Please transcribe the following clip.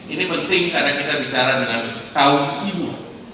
ini penting karena kita bicara dengan kaum ibu